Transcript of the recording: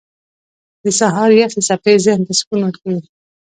• د سهار یخې څپې ذهن ته سکون ورکوي.